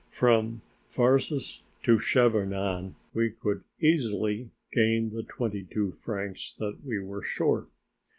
From Varses to Chavanon we could easily gain the twenty two francs that we were short.